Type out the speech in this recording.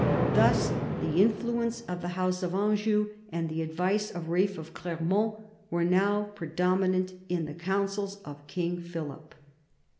Thus the influence of the house of Anjou and the advice of Ealph of Clermont were now predominant in the counsels of King Philip.